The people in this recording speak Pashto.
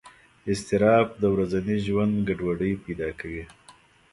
اضطراب د ورځني ژوند ګډوډۍ پیدا کوي.